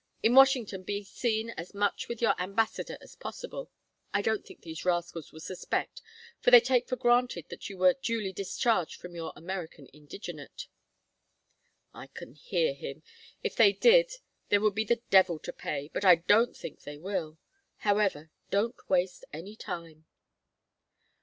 In Washington be seen as much with your ambassador as possible. I don't think these rascals will suspect, for they take for granted that you were duly 'discharged from your American indigenate' I can hear him! If they did there would be the devil to pay, but I don't think they will. However, don't waste any time."